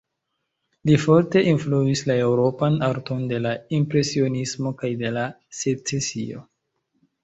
Li forte influis la eŭropan arton de la Impresionismo kaj de la Secesio.